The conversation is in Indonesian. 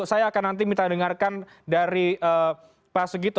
saya akan nanti minta dengarkan dari pak sugito